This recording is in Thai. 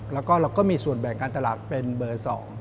แล้วก็เราก็มีส่วนแบ่งการตลาดเป็นเบอร์๒